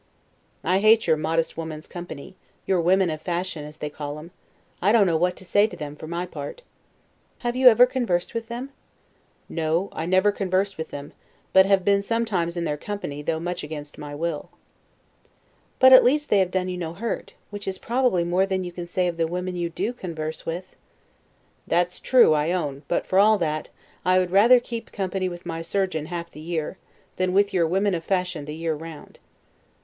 Englishman. I hate your modest women's company; your women of fashion as they call 'em; I don't know what to say to them, for my part. Stanhope. Have you ever conversed with them? Englishman. No; I never conversed with them; but have been sometimes in their company, though much against my will. Stanhope. But at least they have done you no hurt; which is, probably, more than you can say of the women you do converse with. Englishman. That's true, I own; but for all that, I would rather keep company with my surgeon half the year, than with your women of fashion the year round. Stanhope.